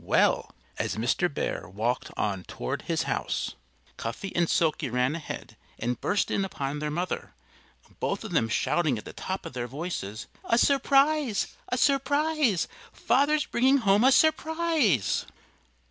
Well! As Mr. Bear walked on toward his house, Cuffy and Silkie ran ahead and burst in upon their mother, both of them shouting at the top of their voices, "A surprise! A surprise! Father's bringing home a surprise!"